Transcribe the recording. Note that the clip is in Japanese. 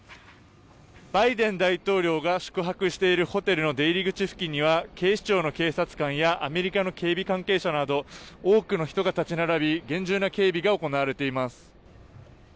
バイデン大統領が宿泊しているホテルの出入り口付近には警視庁の警察官やアメリカの警備関係者など多くの人が立ち並び厳重な警備が行われています。